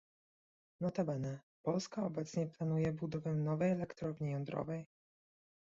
Notabene, Polska obecnie planuje budowę nowej elektrowni jądrowej